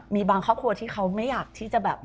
มีบางครอบครัวที่เขาไม่อยากที่จะแบบ